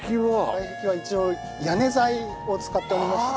外壁は一応屋根材を使っておりまして。